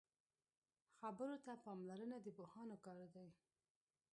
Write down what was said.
خبرو ته پاملرنه د پوهانو کار دی